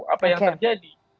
apa yang terjadi